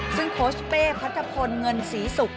ซึ่งโค้ชเป้พัทธพลเงินศรีศุกร์